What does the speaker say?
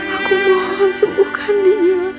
aku mohon sembuhkan dia